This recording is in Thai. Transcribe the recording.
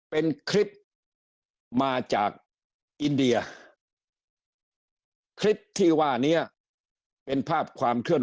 เป็นคลิปที่มาจากอินเดียคลิปที่ว่านี้เป็นภาพความเคลื่อน